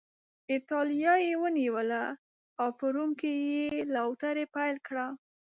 اېټالیا یې ونیوله او په روم کې یې لوټري پیل کړه.